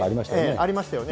ありましたよね。